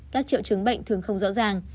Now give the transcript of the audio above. các triệu chứng bệnh thường không rõ ràng